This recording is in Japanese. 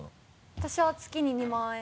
私は月に２万円。